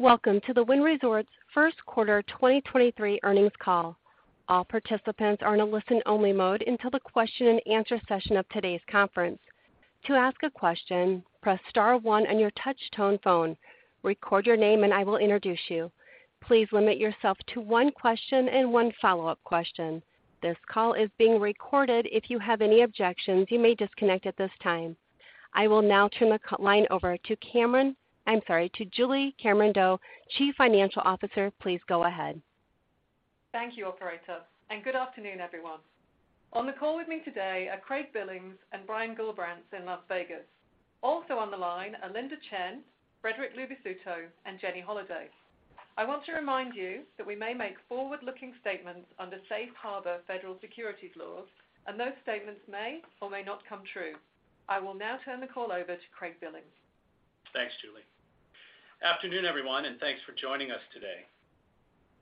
Welcome to the Wynn Resorts Q1 2023 earnings call. All participants are in a listen-only mode until the question-and-answer session of today's conference. To ask a question, press star one on your touch tone phone, record your name, and I will introduce you. Please limit yourself to one question and one follow-up question. This call is being recorded. If you have any objections, you may disconnect at this time. I will now turn the line over to Cameron. I'm sorry. To Julie Cameron-Doe, Chief Financial Officer. Please go ahead. Thank you, operator. Good afternoon, everyone. On the call with me today are Craig Billings and Brian Gullbrants in Las Vegas. Also on the line are Linda Chen, Frederic Luvisutto, and Jenny Holaday. I want to remind you that we may make forward-looking statements under safe harbor federal securities laws. Those statements may or may not come true. I will now turn the call over to Craig Billings. Thanks, Julie. Afternoon, everyone. Thanks for joining us today.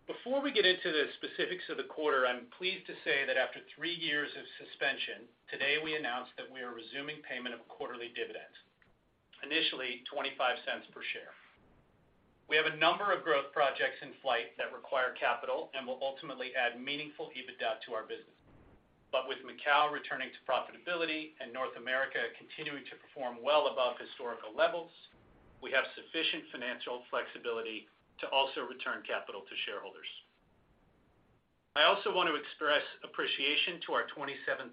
Before we get into the specifics of the quarter, I'm pleased to say that after 3 years of suspension, today we announced that we are resuming payment of a quarterly dividend, initially $0.25 per share. We have a number of growth projects in flight that require capital and will ultimately add meaningful EBITDA to our business. With Macau returning to profitability and North America continuing to perform well above historical levels, we have sufficient financial flexibility to also return capital to shareholders. I also want to express appreciation to our 27,000+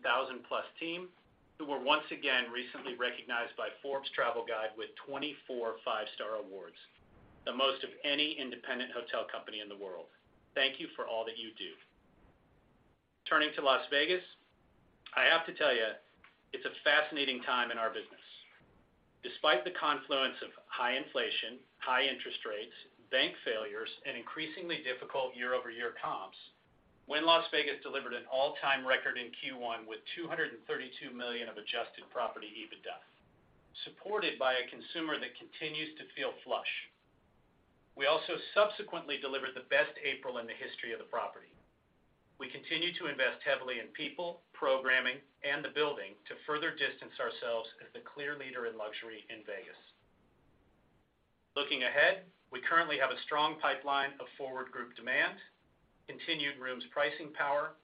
team, who were once again recently recognized by Forbes Travel Guide with 24 five-star awards, the most of any independent hotel company in the world. Thank you for all that you do. Turning to Las Vegas, I have to tell you, it's a fascinating time in our business. Despite the confluence of high inflation, high interest rates, bank failures, and increasingly difficult year-over-year comps, Wynn Las Vegas delivered an all-time record in Q1 with $232 million of adjusted property EBITDA, supported by a consumer that continues to feel flush. We also subsequently delivered the best April in the history of the property. We continue to invest heavily in people, programming, and the building to further distance ourselves as the clear leader in luxury in Vegas. Looking ahead, we currently have a strong pipeline of forward group demand, continued rooms pricing power,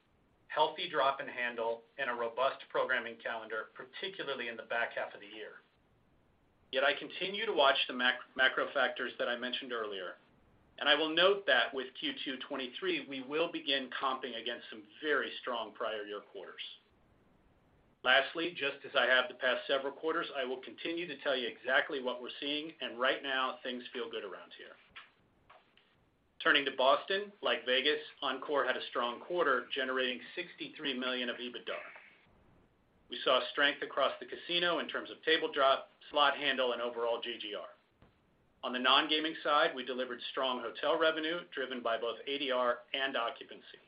healthy drop in handle, and a robust programming calendar, particularly in the back half of the year. Yet I continue to watch the macro factors that I mentioned earlier, and I will note that with Q2 2023, we will begin comping against some very strong prior year quarters. Lastly, just as I have the past several quarters, I will continue to tell you exactly what we're seeing, and right now things feel good around here. Turning to Boston, like Vegas, Encore had a strong quarter, generating $63 million of EBITDA. We saw strength across the casino in terms of table drop, slot handle, and overall GGR. On the non-gaming side, we delivered strong hotel revenue driven by both ADR and occupancy.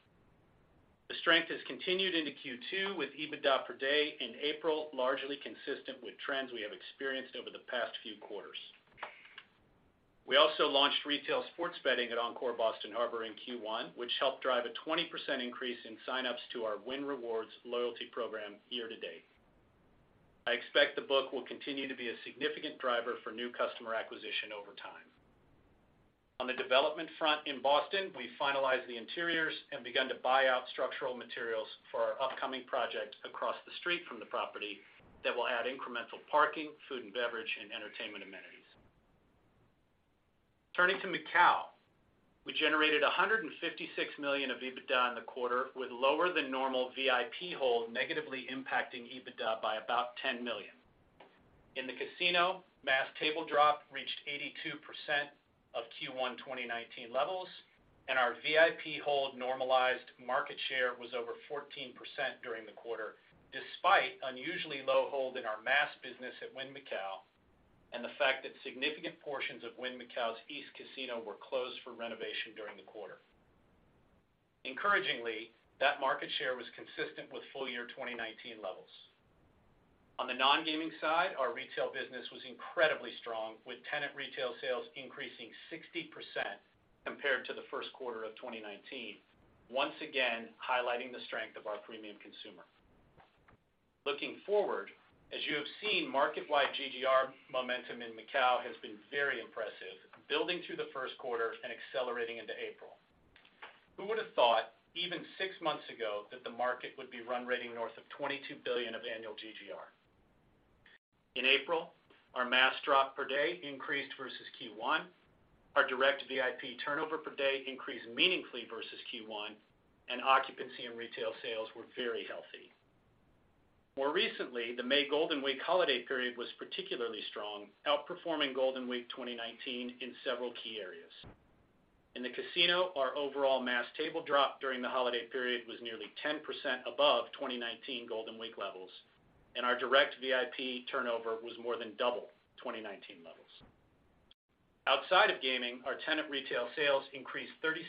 The strength has continued into Q2 with EBITDA per day in April, largely consistent with trends we have experienced over the past few quarters. We also launched retail sports betting at Encore Boston Harbor in Q1, which helped drive a 20% increase in sign-ups to our Wynn Rewards loyalty program year to date. I expect the book will continue to be a significant driver for new customer acquisition over time. On the development front in Boston, we finalized the interiors and begun to buy out structural materials for our upcoming project across the street from the property that will add incremental parking, food and beverage, and entertainment amenities. Turning to Macau, we generated $156 million of EBITDA in the quarter, with lower than normal VIP hold negatively impacting EBITDA by about $10 million. In the casino, mass table drop reached 82% of Q1 2019 levels, and our VIP hold normalized market share was over 14% during the quarter, despite unusually low hold in our mass business at Wynn Macau and the fact that significant portions of Wynn Macau's East Casino were closed for renovation during the quarter. Encouragingly, that market share was consistent with full year 2019 levels. On the non-gaming side, our retail business was incredibly strong, with tenant retail sales increasing 60% compared to the Q1 of 2019, once again highlighting the strength of our premium consumer. Looking forward, as you have seen, market-wide GGR momentum in Macau has been very impressive, building through the Q1 and accelerating into April. Who would have thought even six months ago that the market would be run rating north of $22 billion of annual GGR? In April, our mass drop per day increased versus Q1. Our direct VIP turnover per day increased meaningfully versus Q1, and occupancy and retail sales were very healthy. More recently, the May Golden Week holiday period was particularly strong, outperforming Golden Week 2019 in several key areas. In the casino, our overall mass table drop during the holiday period was nearly 10% above 2019 Golden Week levels, and our direct VIP turnover was more than double 2019 levels. Outside of gaming, our tenant retail sales increased 36%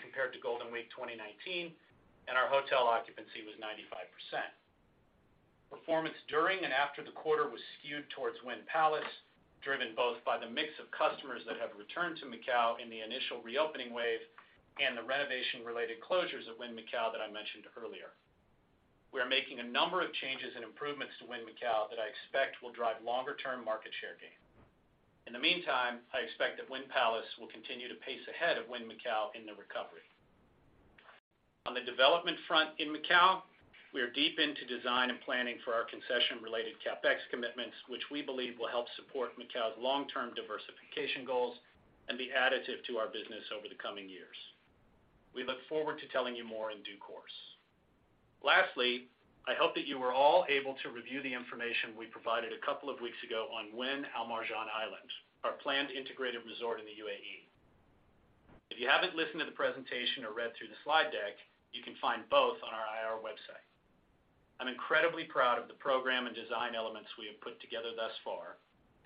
compared to Golden Week 2019, and our hotel occupancy was 95%. Performance during and after the quarter was skewed towards Wynn Palace, driven both by the mix of customers that have returned to Macau in the initial reopening wave and the renovation-related closures at Wynn Macau that I mentioned earlier. We are making a number of changes and improvements to Wynn Macau that I expect will drive longer-term market share gain. In the meantime, I expect that Wynn Palace will continue to pace ahead of Wynn Macau in the recovery. On the development front in Macau, we are deep into design and planning for our concession-related CapEx commitments, which we believe will help support Macau's long-term diversification goals and be additive to our business over the coming years. We look forward to telling you more in due course. Lastly, I hope that you were all able to review the information we provided a couple of weeks ago on Wynn Al Marjan Island, our planned integrated resort in the UAE. If you haven't listened to the presentation or read through the slide deck, you can find both on our IR website. I'm incredibly proud of the program and design elements we have put together thus far.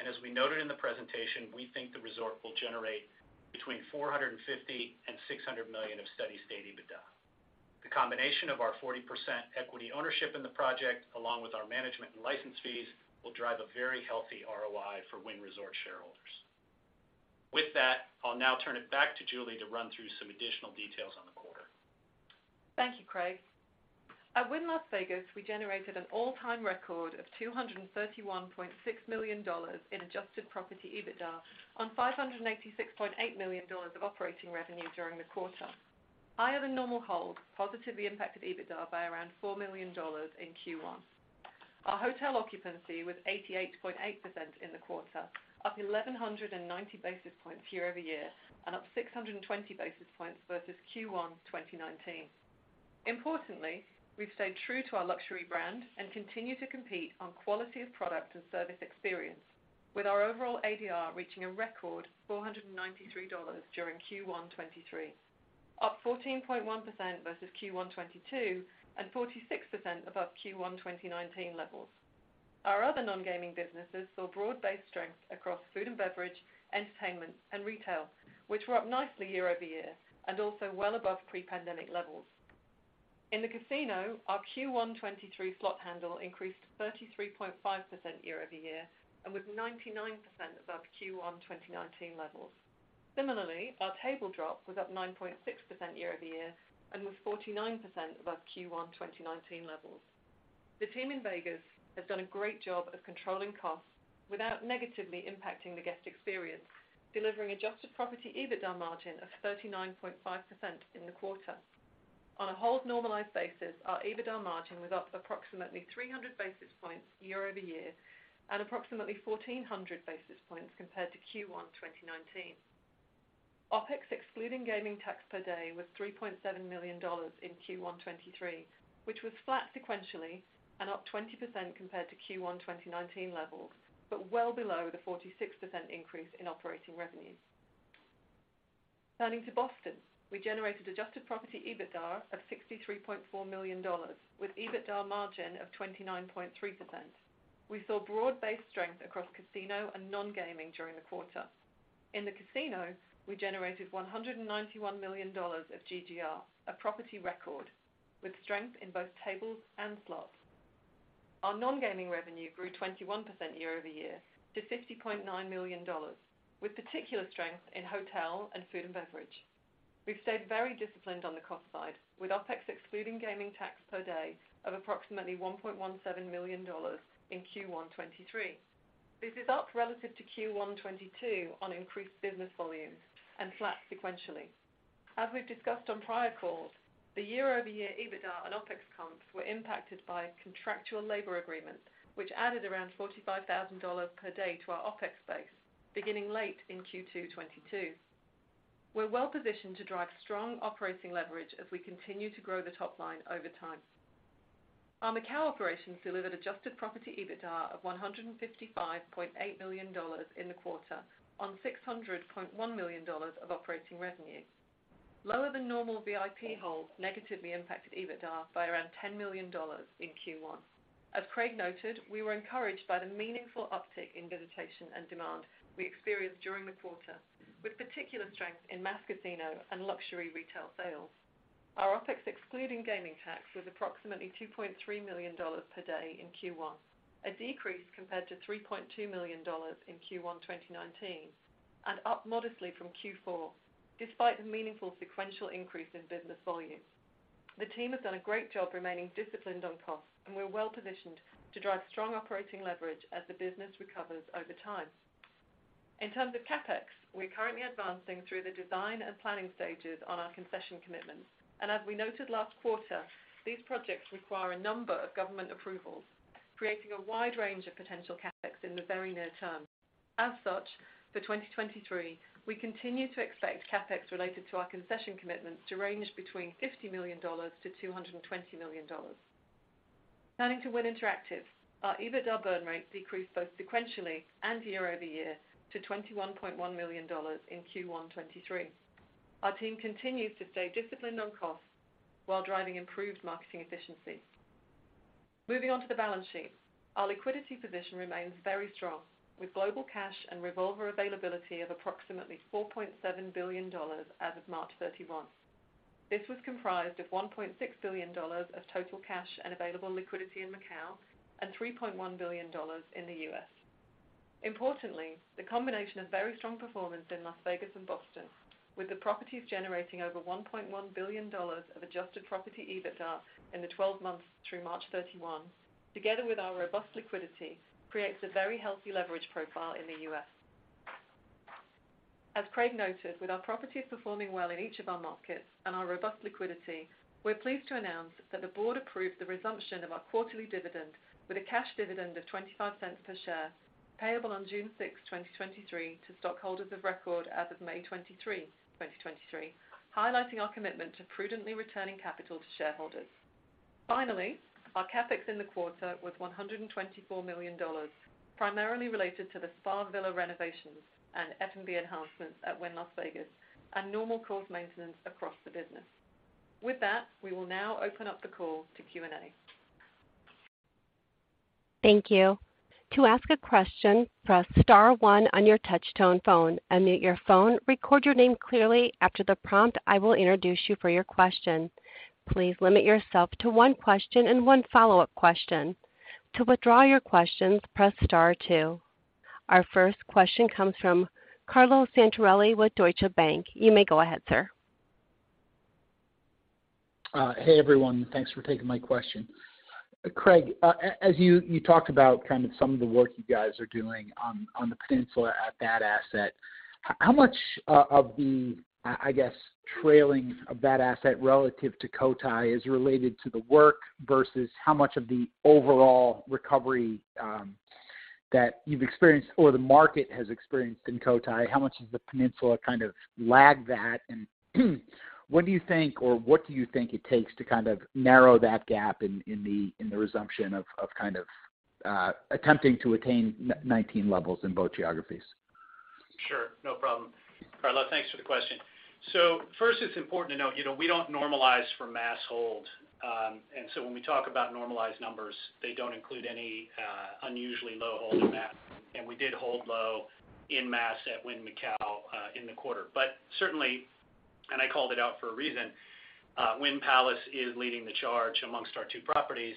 As we noted in the presentation, we think the resort will generate between $450 million and $600 million of steady-state EBITDA. The combination of our 40% equity ownership in the project, along with our management and license fees, will drive a very healthy ROI for Wynn Resorts shareholders. With that, I'll now turn it back to Julie to run through some additional details on the quarter. Thank you, Craig. At Wynn Las Vegas, we generated an all-time record of $231.6 million in adjusted property EBITDA on $586.8 million of operating revenue during the quarter. Higher-than-normal hold positively impacted EBITDA by around $4 million in Q1. Our hotel occupancy was 88.8% in the quarter, up 1,190 basis points year-over-year and up 620 basis points versus Q1 2019. Importantly, we've stayed true to our luxury brand and continue to compete on quality of product and service experience, with our overall ADR reaching a record $493 during Q1 2023, up 14.1% versus Q1 2022, and 46% above Q1 2019 levels. Our other non-gaming businesses saw broad-based strength across food and beverage, entertainment, and retail, which were up nicely year-over-year and also well above pre-pandemic levels. In the casino, our Q1 2023 slot handle increased 33.5% year-over-year and was 99% above Q1 2019 levels. Similarly, our table drop was up 9.6% year-over-year and was 49% above Q1 2019 levels. The team in Vegas has done a great job of controlling costs without negatively impacting the guest experience, delivering adjusted property EBITDA margin of 39.5% in the quarter. On a hold-normalized basis, our EBITDA margin was up approximately 300 basis points year-over-year and approximately 1,400 basis points compared to Q1 2019. OpEx, excluding gaming tax per day, was $3.7 million in Q1 2023, which was flat sequentially and up 20% compared to Q1 2019 levels. Well below the 46% increase in operating revenue. Turning to Boston, we generated adjusted property EBITDA of $63.4 million with EBITDA margin of 29.3%. We saw broad-based strength across casino and non-gaming during the quarter. In the casino, we generated $191 million of GGR, a property record with strength in both tables and slots. Our non-gaming revenue grew 21% year-over-year to $50.9 million, with particular strength in hotel and food and beverage. We've stayed very disciplined on the cost side with OpEx excluding gaming tax per day of approximately $1.17 million in Q1 2023. This is up relative to Q1 2022 on increased business volumes and flat sequentially. As we've discussed on prior calls, the year-over-year EBITDA and OpEx comps were impacted by contractual labor agreements, which added around $45,000 per day to our OpEx base beginning late in Q2 2022. We're well positioned to drive strong operating leverage as we continue to grow the top line over time. Our Macau operations delivered adjusted property EBITDA of $155.8 million in the quarter on $600.1 million of operating revenue. Lower than normal VIP hold negatively impacted EBITDA by around $10 million in Q1. As Craig noted, we were encouraged by the meaningful uptick in visitation and demand we experienced during the quarter, with particular strength in mass casino and luxury retail sales. Our OpEx, excluding gaming tax, was approximately $2.3 million per day in Q1, a decrease compared to $3.2 million in Q1 2019, and up modestly from Q4, despite the meaningful sequential increase in business volumes. The team has done a great job remaining disciplined on costs, we're well-positioned to drive strong operating leverage as the business recovers over time. In terms of CapEx, we're currently advancing through the design and planning stages on our concession commitments. As we noted last quarter, these projects require a number of government approvals, creating a wide range of potential CapEx in the very near term. As such, for 2023, we continue to expect CapEx related to our concession commitments to range between $50 million-$220 million. Turning to Wynn Interactive, our EBITDA burn rate decreased both sequentially and year-over-year to $21.1 million in Q1 2023. Our team continues to stay disciplined on costs while driving improved marketing efficiency. Moving on to the balance sheet. Our liquidity position remains very strong with global cash and revolver availability of approximately $4.7 billion as of March 31st. This was comprised of $1.6 billion of total cash and available liquidity in Macau and $3.1 billion in the U.S. Importantly, the combination of very strong performance in Las Vegas and Boston, with the properties generating over $1.1 billion of adjusted property EBITDA in the 12 months through March 31, together with our robust liquidity, creates a very healthy leverage profile in the U.S. As Craig noted, with our properties performing well in each of our markets and our robust liquidity, we're pleased to announce that the board approved the resumption of our quarterly dividend with a cash dividend of $0.25 per share, payable on June 6, 2023 to stockholders of record as of May 23, 2023, highlighting our commitment to prudently returning capital to shareholders. Finally, our CapEx in the quarter was $124 million, primarily related to the Spa Villa renovations and F&B enhancements at Wynn Las Vegas and normal course maintenance across the business. With that, we will now open up the call to Q&A. Thank you. To ask a question, press star 1 on your touch tone phone, unmute your phone, record your name clearly. After the prompt, I will introduce you for your question. Please limit yourself to 1 question and 1 follow-up question. To withdraw your questions, press star 2. Our first question comes from Carlo Santarelli with Deutsche Bank. You may go ahead, sir. Hey, everyone. Thanks for taking my question. Craig, as you talked about kind of some of the work you guys are doing on the Peninsula at that asset. How much of the, I guess, trailing of that asset relative to Cotai is related to the work versus how much of the overall recovery that you've experienced or the market has experienced in Cotai? How much does the Peninsula kind of lag that? What do you think it takes to kind of narrow that gap in the resumption of kind of attempting to attain 19 levels in both geographies? Sure. No problem. Carlo Santarelli, thanks for the question. First, it's important to note, you know, we don't normalize for mass hold. When we talk about normalized numbers, they don't include any unusually low hold in that. We did hold low in mass at Wynn Macau in the quarter. Certainly, and I called it out for a reason, Wynn Palace is leading the charge amongst our two properties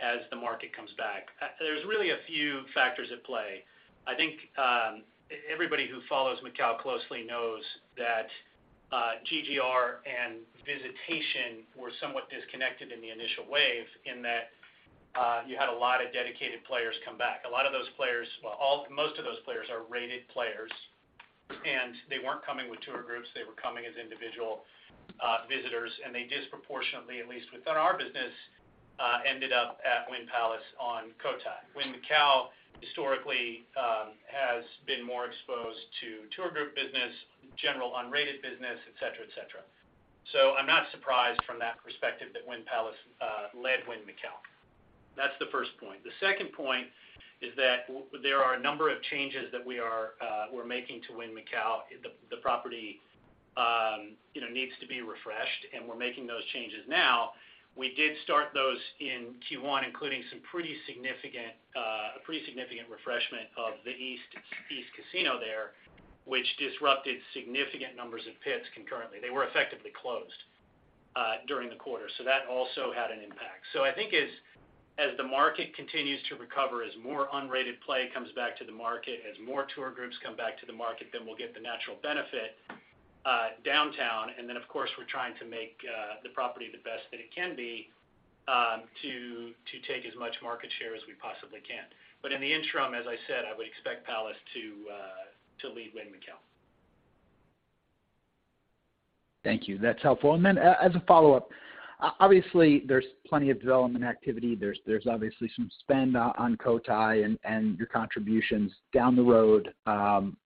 as the market comes back. There's really a few factors at play. I think everybody who follows Macau closely knows that GGR and visitation were somewhat disconnected in the initial wave in that, you had a lot of dedicated players come back. A lot of those players, well, most of those players are rated players, and they weren't coming with tour groups, they were coming as individual visitors, and they disproportionately, at least within our business, ended up at Wynn Palace on Cotai. Wynn Macau historically has been more exposed to tour group business, general unrated business, et cetera, et cetera. I'm not surprised from that perspective that Wynn Palace led Wynn Macau. That's the first point. The second point is that there are a number of changes that we are making to Wynn Macau. The property, needs to be refreshed, and we're making those changes now. We did start those in Q1, including some pretty significant, a pretty significant refreshment of the east casino there, which disrupted significant numbers of pits concurrently. They were effectively closed during the quarter. That also had an impact. I think as the market continues to recover, as more unrated play comes back to the market, as more tour groups come back to the market, then we'll get the natural benefit downtown. Then, of course, we're trying to make the property the best that it can be to take as much market share as we possibly can. In the interim, as I said, I would expect Palace to lead Wynn Macau. Thank you. That's helpful. Then as a follow-up, obviously, there's plenty of development activity. There's obviously some spend on Cotai and your contributions down the road,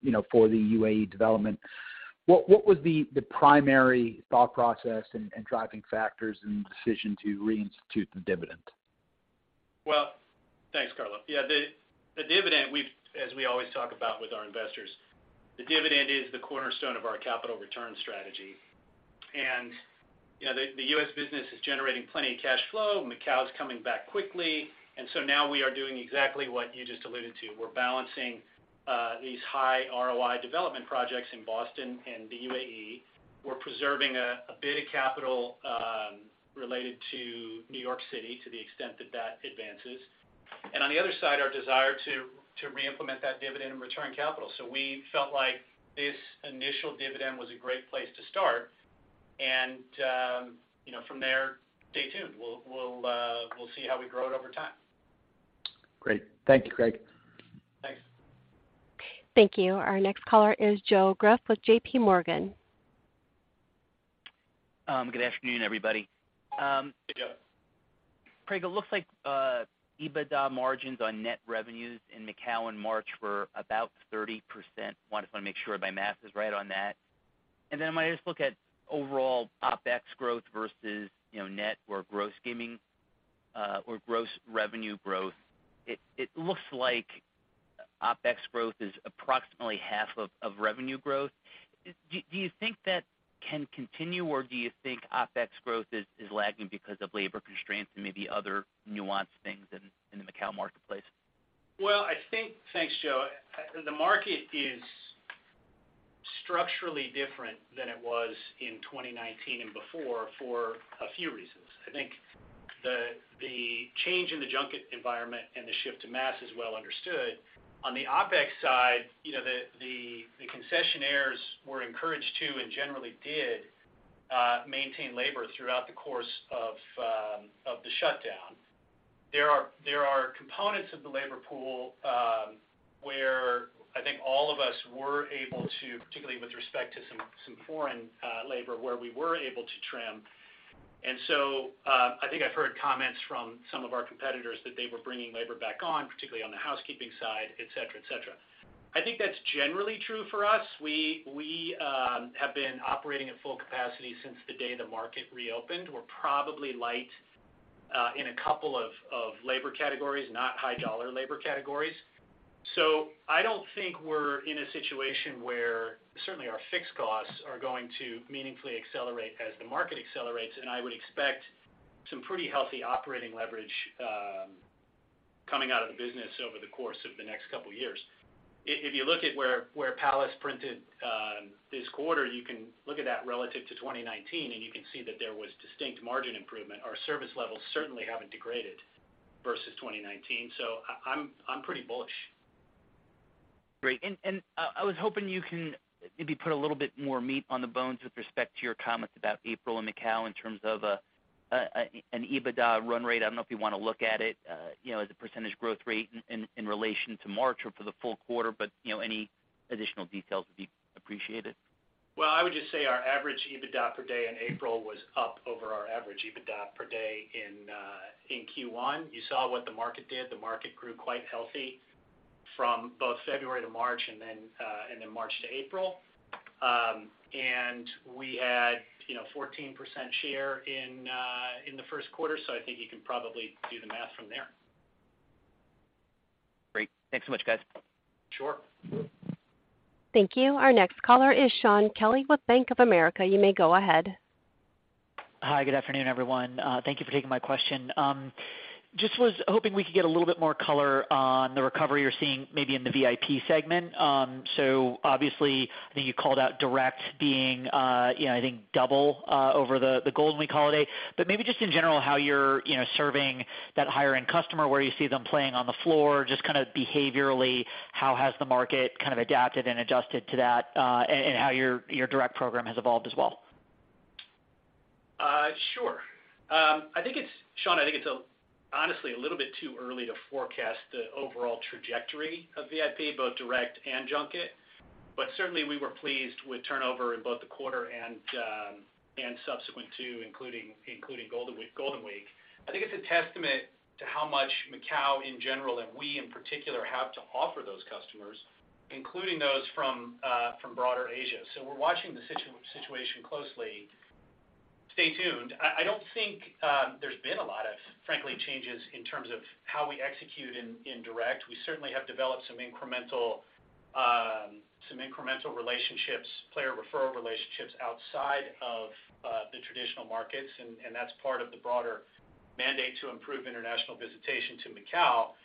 you know, for the UAE development. What was the primary thought process and driving factors in the decision to reinstitute the dividend? Well, thanks, Carlo. Yeah, the dividend, as we always talk about with our investors, the dividend is the cornerstone of our capital return strategy. You know, the U.S. business is generating plenty of cash flow. Macau is coming back quickly. Now we are doing exactly what you just alluded to. We're balancing these high ROI development projects in Boston and the UAE. We're preserving a bit of capital related to New York City to the extent that that advances. On the other side, our desire to reimplement that dividend and return capital. We felt like this initial dividend was a great place to start. You know, from there, stay tuned. We'll see how we grow it over time. Great. Thank you, Craig. Thanks. Thank you. Our next caller is Joe Greff with J.P. Morgan. Good afternoon, everybody. Hey, Joe. Craig, it looks like EBITDA margins on net revenues in Macau in March were about 30%. Wanted to make sure my math is right on that. Then I might just look at overall OpEx growth versus, you know, net or gross gaming or gross revenue growth. It looks like OpEx growth is approximately half of revenue growth. Do you think that can continue, or do you think OpEx growth is lagging because of labor constraints and maybe other nuanced things in the Macau marketplace? Well, Thanks, Joe. The market is structurally different than it was in 2019 and before for a few reasons. I think the change in the junket environment and the shift to mass is well understood. On the OpEx side, you know, the concessionaires were encouraged to and generally did maintain labor throughout the course of the shutdown. There are components of the labor pool, where I think all of us were able to, particularly with respect to some foreign labor, where we were able to trim. I think I've heard comments from some of our competitors that they were bringing labor back on, particularly on the housekeeping side, et cetera, et cetera. I think that's generally true for us. We have been operating at full capacity since the day the market reopened. We're probably light in two labor categories, not high dollar labor categories. I don't think we're in a situation where certainly our fixed costs are going to meaningfully accelerate as the market accelerates, and I would expect some pretty healthy operating leverage coming out of the business over the course of the next two years. If you look at where Wynn Palace printed this quarter, you can look at that relative to 2019, and you can see that there was distinct margin improvement. Our service levels certainly haven't degraded versus 2019. I'm pretty bullish. Great. I was hoping you can maybe put a little bit more meat on the bones with respect to your comments about April and Macau in terms of an EBITDA run rate. I don't know if you wanna look at it, you know, as a percentage growth rate in relation to March or for the full quarter. You know, any additional details would be appreciated. I would just say our average EBITDA per day in April was up over our average EBITDA per day in Q1. You saw what the market did. The market grew quite healthy from both February to March and then March to April. We had, you know, 14% share in the Q1, so I think you can probably do the math from there. Great. Thanks so much, guys. Sure. Thank you. Our next caller is Shaun Kelley with Bank of America. You may go ahead. Hi. Good afternoon, everyone. Thank you for taking my question. Just was hoping we could get a little bit more color on the recovery you're seeing maybe in the VIP segment. Obviously, I think you called out direct being, you know, I think double over the Golden Week holiday. Maybe just in general, how you're, you know, serving that higher end customer, where you see them playing on the floor, just kinda behaviorally, how has the market kind of adapted and adjusted to that, and how your direct program has evolved as well? Sure. I think it's, Shaun, I think it's, honestly, a little bit too early to forecast the overall trajectory of VIP, both direct and junket. Certainly we were pleased with turnover in both the quarter and subsequent to including Golden Week. I think it's a testament to how much Macau in general and we, in particular, have to offer those customers, including those from broader Asia. We're watching the situation closely. Stay tuned. I don't think there's been a lot of, frankly, changes in terms of how we execute in direct. We certainly have developed some incremental relationships, player referral relationships outside of the traditional markets, and that's part of the broader mandate to improve international visitation to Macau.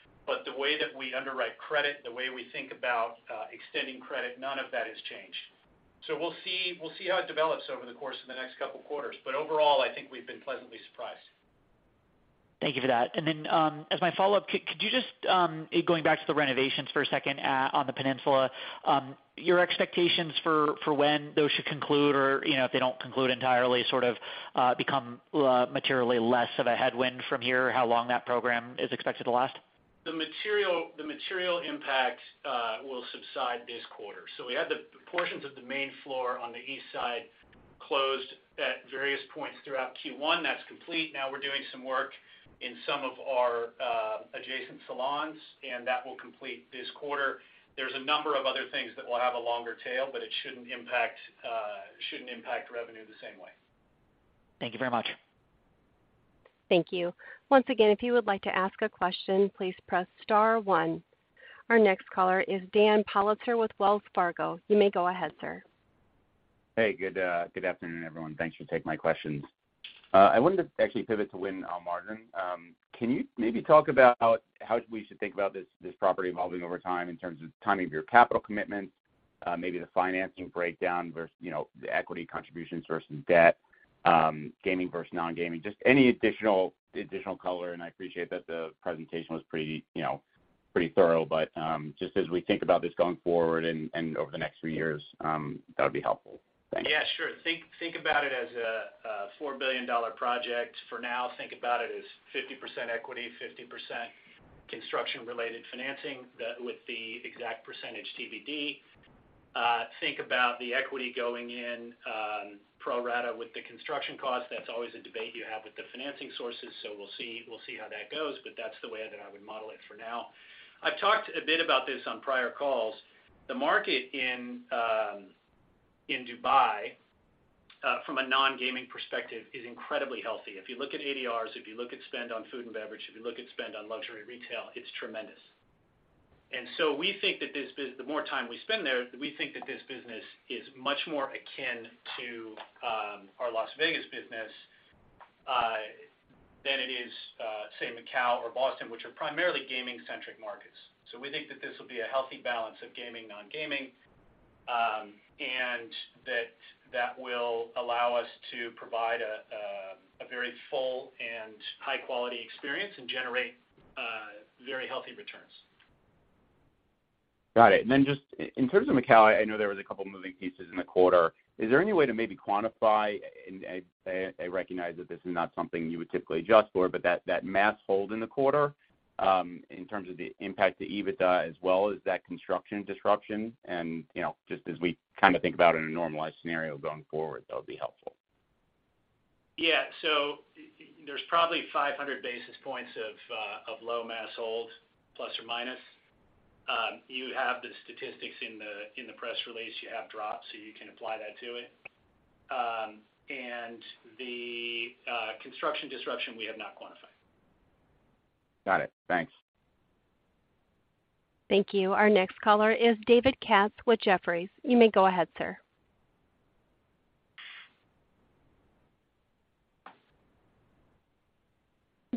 The way that we underwrite credit, the way we think about extending credit, none of that has changed. We'll see how it develops over the course of the next couple quarters. Overall, I think we've been pleasantly surprised. Thank you for that. As my follow-up, could you just, going back to the renovations for a second, on the peninsula, your expectations for when those should conclude or, you know, if they don't conclude entirely, sort of, become materially less of a headwind from here, how long that program is expected to last? The material impact will subside this quarter. We had the portions of the main floor on the east side closed at various points throughout Q1. That's complete. Now we're doing some work in some of our adjacent salons, and that will complete this quarter. There's a number of other things that will have a longer tail, but it shouldn't impact revenue the same way. Thank you very much. Thank you. Once again, if you would like to ask a question, please press star one. Our next caller is Daniel Politzer with Wells Fargo. You may go ahead, sir. Hey, good afternoon, everyone. Thanks for taking my questions. I wanted to actually pivot to Wynn Marjan. Can you maybe talk about how we should think about this property evolving over time in terms of timing of your capital commitments, maybe the financing breakdown, you know, the equity contributions versus debt, gaming versus non-gaming, just any additional color. I appreciate that the presentation was pretty, you know, pretty thorough. Just as we think about this going forward and over the next 3 years, that would be helpful. Thank you. Yeah, sure. Think about it as a $4 billion project. For now, think about it as 50% equity, 50% construction-related financing that with the exact percentage TBD. Think about the equity going in pro rata with the construction cost. That's always a debate you have with the financing sources. We'll see how that goes, but that's the way that I would model it for now. I've talked a bit about this on prior calls. The market in Dubai from a non-gaming perspective is incredibly healthy. If you look at ADRs, if you look at spend on food and beverage, if you look at spend on luxury retail, it's tremendous. We think that the more time we spend there, we think that this business is much more akin to our Las Vegas business, Macau or Boston, which are primarily gaming-centric markets. We think that this will be a healthy balance of gaming, non-gaming, and that will allow us to provide a very full and high-quality experience and generate very healthy returns. Got it. Then just in terms of Macau, I know there was a couple moving pieces in the quarter. Is there any way to maybe quantify, and I recognize that this is not something you would typically adjust for, but that mass hold in the quarter, in terms of the impact to EBITDA as well as that construction disruption and, you know, just as we kinda think about in a normalized scenario going forward, that would be helpful? There's probably 500 basis points of low mass hold, plus or minus. You have the statistics in the press release. You have drops, so you can apply that to it. The construction disruption we have not quantified. Got it. Thanks. Thank you. Our next caller is David Katz with Jefferies. You may go ahead, sir.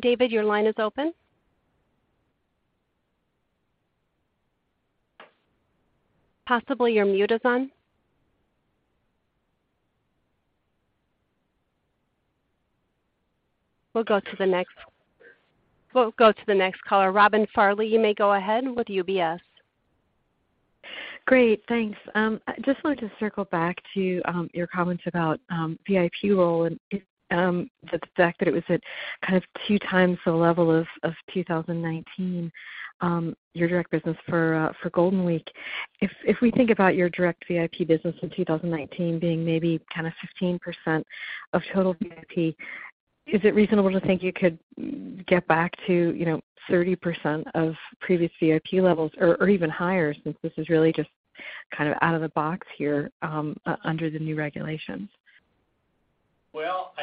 David, your line is open. Possibly your mute is on. We'll go to the next caller. Robin Farley, you may go ahead with UBS. Great, thanks. I just wanted to circle back to your comments about VIP role and the fact that it was at kind of 2 times the level of 2019, your direct business for Golden Week. If we think about your direct VIP business in 2019 being maybe kind of 15% of total VIP, is it reasonable to think you could get back to, you know, 30% of previous VIP levels or even higher since this is really just kind of out of the box here under the new regulations? Well,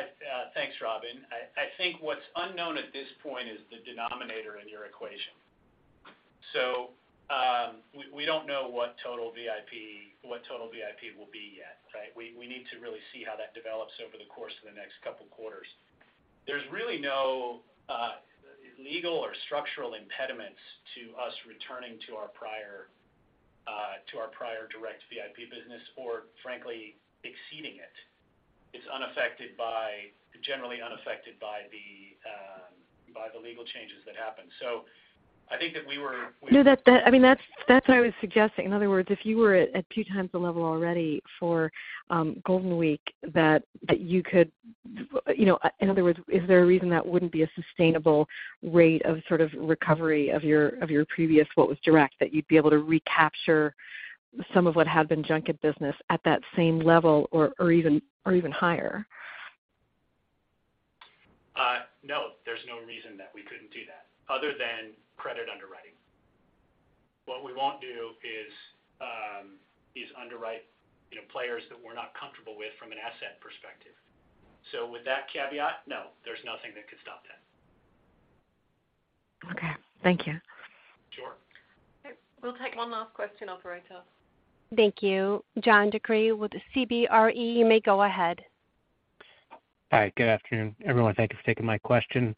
thanks, Robin. I think what's unknown at this point is the denominator in your equation. We don't know what total VIP will be yet, right? We need to really see how that develops over the course of the next couple quarters. There's really no legal or structural impediments to us returning to our prior direct VIP business or frankly exceeding it. It's unaffected by, generally unaffected by the legal changes that happened. I think that we were. No, that, I mean, that's what I was suggesting. In other words, if you were at two times the level already for Golden Week, that you could, you know, in other words, is there a reason that wouldn't be a sustainable rate of sort of recovery of your previous, what was direct, that you'd be able to recapture some of what had been junket business at that same level or even higher? No, there's no reason that we couldn't do that other than credit underwriting. What we won't do is underwrite, you know, players that we're not comfortable with from an asset perspective. With that caveat, no, there's nothing that could stop that. Okay, thank you. Sure. We'll take one last question, operator. Thank you. John DeCree with CBRE, you may go ahead. Hi, good afternoon, everyone. Thank you for taking my question.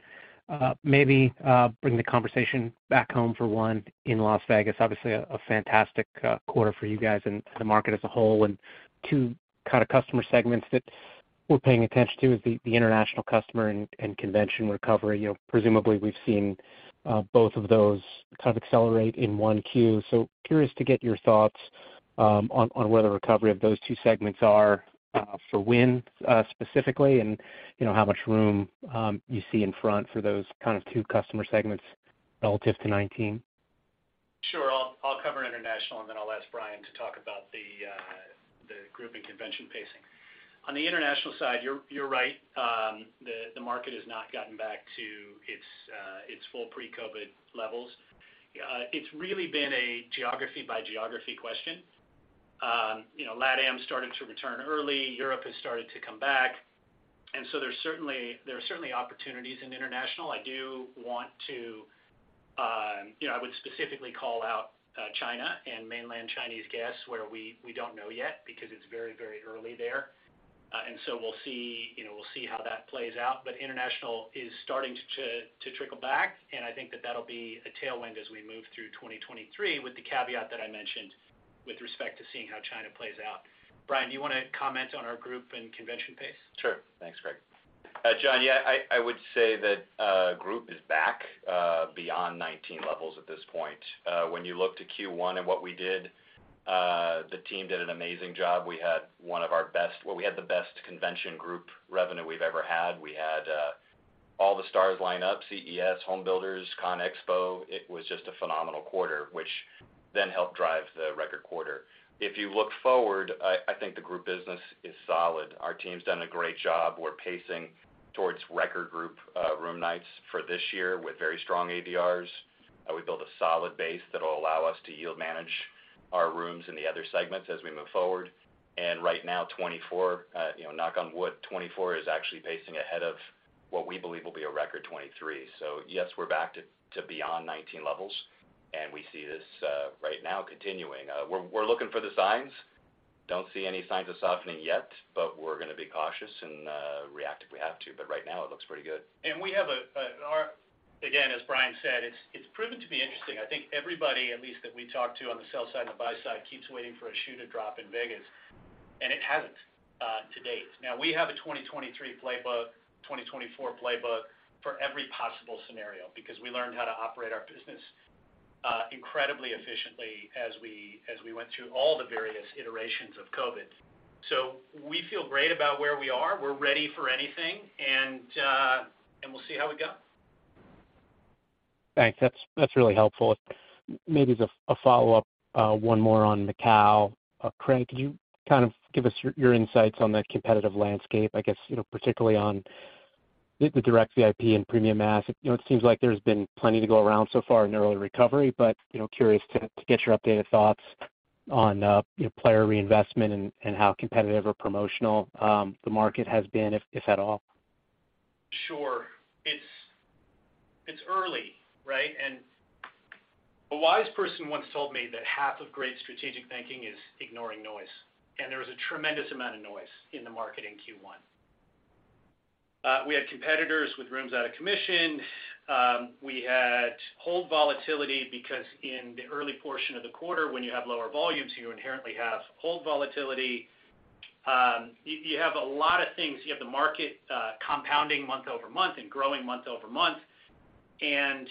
Maybe, bring the conversation back home for one in Las Vegas. Obviously a fantastic quarter for you guys and the market as a whole, and two kind of customer segments that we're paying attention to is the international customer and convention recovery. You know, presumably we've seen both of those kind of accelerate in 1Q. Curious to get your thoughts on where the recovery of those two segments are for Wynn specifically and, you know, how much room you see in front for those kind of two customer segments relative to 2019. Sure. I'll cover international, and then I'll ask Brian Gullbrants to talk about the group and convention pacing. On the international side, you're right. The market has not gotten back to its full pre-COVID levels. It's really been a geography by geography question. You know, LATAM started to return early. Europe has started to come back. There are certainly opportunities in international. I do want to, you know, I would specifically call out China and mainland Chinese guests, where we don't know yet because it's very, very early there. We'll see, you know, we'll see how that plays out. International is starting to trickle back, and I think that that'll be a tailwind as we move through 2023, with the caveat that I mentioned with respect to seeing how China plays out. Brian Gullbrants, do you wanna comment on our group and convention pace? Sure. Thanks, Greg. John, yeah, I would say that group is back beyond 19 levels at this point. When you look to Q1 and what we did, the team did an amazing job. We had one of our best. Well, we had the best convention group revenue we've ever had. We had all the stars line up, CES, Home Builders, CONEXPO. It was just a phenomenal quarter, which then helped drive the record quarter. If you look forward, I think the group business is solid. Our team's done a great job. We're pacing towards record group room nights for this year with very strong ADRs. We built a solid base that'll allow us to yield manage our rooms in the other segments as we move forward. Right now, 2024, you know, knock on wood, 2024 is actually pacing ahead of what we believe will be a record 2023. Yes, we're back to beyond 2019 levels, and we see this right now continuing. We're looking for the signs Don't see any signs of softening yet, but we're gonna be cautious and react if we have to. Right now it looks pretty good. Again, as Brian said, it's proven to be interesting. I think everybody at least that we talk to on the sell side and the buy side keeps waiting for a shoe to drop in Vegas, and it hasn't to date. Now we have a 2023 playbook, 2024 playbook for every possible scenario because we learned how to operate our business incredibly efficiently as we went through all the various iterations of COVID. We feel great about where we are. We're ready for anything, and we'll see how we go. Thanks. That's really helpful. Maybe as a follow-up, one more on Macau. Craig, could you kind of give us your insights on the competitive landscape? I guess, you know, particularly on the direct VIP and premium mass. You know, it seems like there's been plenty to go around so far in the early recovery, but, you know, curious to get your updated thoughts on, you know, player reinvestment and how competitive or promotional the market has been, if at all? Sure. It's, it's early, right? A wise person once told me that half of great strategic thinking is ignoring noise. There was a tremendous amount of noise in the market in Q1. We had competitors with rooms out of commission. We had hold volatility because in the early portion of the quarter, when you have lower volumes, you inherently have hold volatility. You have a lot of things. You have the market compounding month-over-month and growing month-over-month, and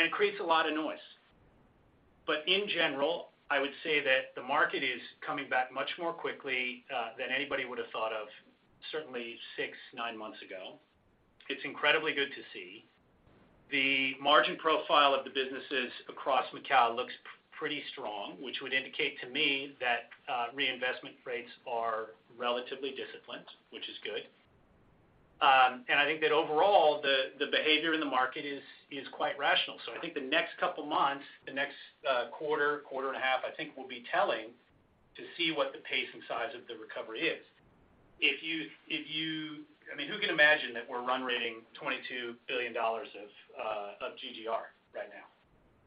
it creates a lot of noise. In general, I would say that the market is coming back much more quickly than anybody would have thought of certainly six, nine months ago. It's incredibly good to see. The margin profile of the businesses across Macau looks pretty strong, which would indicate to me that reinvestment rates are relatively disciplined, which is good. I think that overall, the behavior in the market is quite rational. I think the next couple months, the next quarter and a half, I think will be telling to see what the pace and size of the recovery is. If you... I mean, who can imagine that we're run rating $22 billion of GGR right now?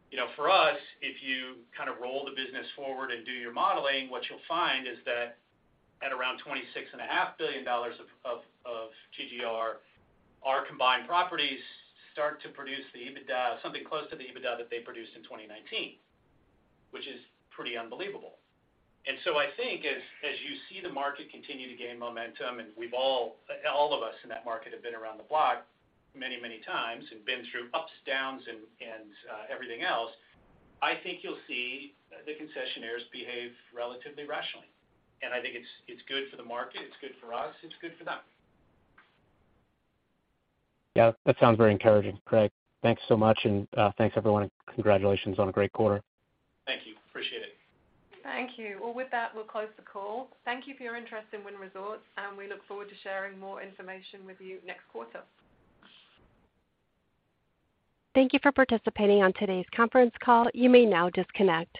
You know, for us, if you kind of roll the business forward and do your modeling, what you'll find is that at around twenty-six and a half billion dollars of GGR, our combined properties start to produce the EBITDA, something close to the EBITDA that they produced in 2019, which is pretty unbelievable. I think as you see the market continue to gain momentum, and all of us in that market have been around the block many times and been through ups, downs and everything else. I think you'll see the concessionaires behave relatively rationally, and I think it's good for the market. It's good for us. It's good for them. Yeah. That sounds very encouraging, Craig. Thanks so much, and thanks everyone, and congratulations on a great quarter. Thank you. Appreciate it. Thank you. With that, we'll close the call. Thank you for your interest in Wynn Resorts. We look forward to sharing more information with you next quarter. Thank you for participating on today's conference call. You may now disconnect.